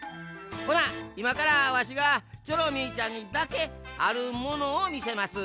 ほないまからわしがチョロミーちゃんにだけあるものをみせます。